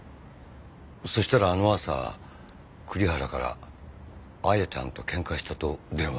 そしたらあの朝栗原から綾ちゃんと喧嘩したと電話が。